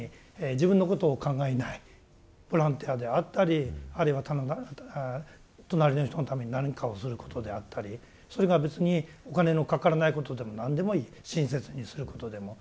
ボランティアであったりあるいは隣の人のために何かをすることであったりそれが別にお金のかからないことでも何でもいい親切にすることでも。